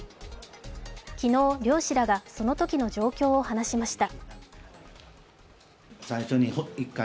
昨日漁師らがそのときの状況を話しました。